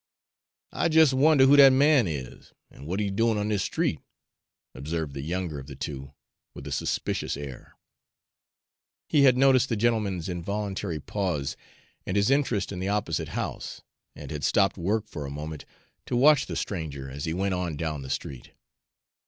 "I jes' wonder who dat man is, an' w'at he 's doin' on dis street," observed the younger of the two, with a suspicious air. He had noticed the gentleman's involuntary pause and his interest in the opposite house, and had stopped work for a moment to watch the stranger as he went on down the street.